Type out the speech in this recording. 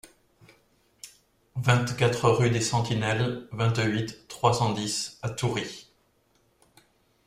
vingt-quatre rue des Sentinelles, vingt-huit, trois cent dix à Toury